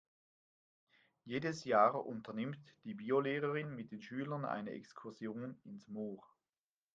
Jedes Jahr unternimmt die Biolehrerin mit den Schülern eine Exkursion ins Moor.